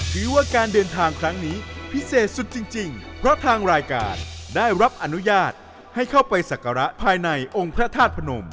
ถือว่าการเดินทางครั้งนี้พิเศษสุดจริงเพราะทางรายการได้รับอนุญาตให้เข้าไปสักการะภายในองค์พระธาตุพนม